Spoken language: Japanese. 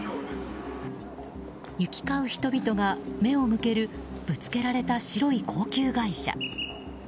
行き交う人々が目を向けるぶつけられた白い高級外車。